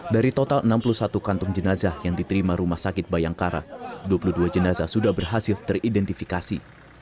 dari total enam puluh satu kantung jenazah yang diterima rumah sakit bayangkara dua puluh dua jenazah sudah berhasil teridentifikasi